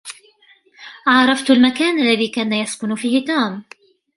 عرفت المكان الذي كان يسكن فيه توم.